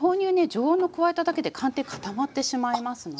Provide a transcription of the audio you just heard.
常温の加えただけで寒天固まってしまいますので。